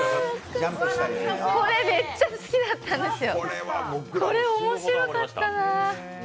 これめっちゃ好きだったんですよ、これ面白かったなぁ。